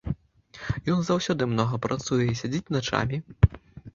Ён заўсёды многа працуе, сядзіць начамі.